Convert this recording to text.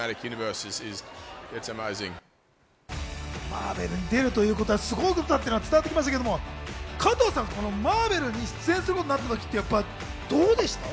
マーベルに出るということはすごいことだって伝わってきましたけれども、加藤さん、マーベルに出演することになったときってどうでした？